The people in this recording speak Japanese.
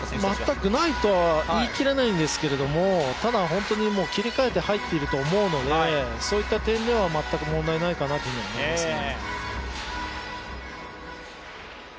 全くないとは言い切れないんですけども、ただ、本当に切り替えて入っているかなと思うので、そういった点では全く問題ないかなと思いますね。